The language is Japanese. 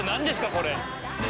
これ。